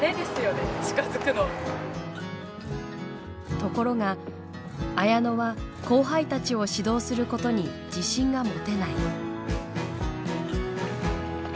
ところが綾乃は後輩たちを指導することに自信が持てない。